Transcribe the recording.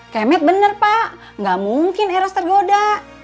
kemet bener pak nggak mungkin eros tergoda